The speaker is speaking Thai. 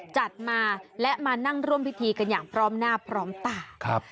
จัดมาและมานั่งร่วมพิธีกันอย่างพร้อมหน้าพร้อมตาครับ